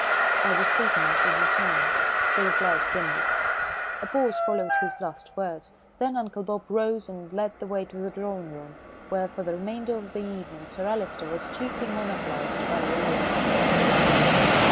"I was certain I should return," he replied grimly. A pause followed his last words, then Uncle Bob rose and led the way to the drawing room, where for the remainder of the evening Sir Alister was chiefly monopolised by the ladies.